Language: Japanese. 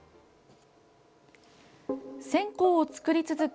線香を作り続け